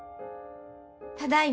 ただいま。